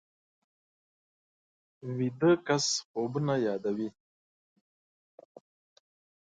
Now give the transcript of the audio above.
ویده کس خوبونه یادوي